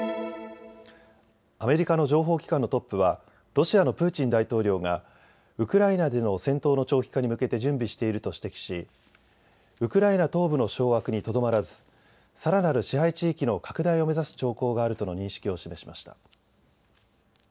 アメリカの情報機関のトップはロシアのプーチン大統領がウクライナでの戦闘の長期化に向けて準備していると指摘しウクライナ東部の掌握にとどまらず、さらなる支配地域の拡大を目指す兆候があるとの認識を示しました。